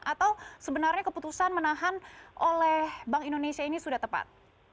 atau sebenarnya keputusan menahan oleh bank indonesia ini sudah tepat